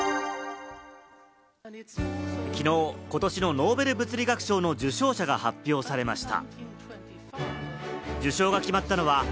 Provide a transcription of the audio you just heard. ノーベル物理学賞の受賞者が発表されました。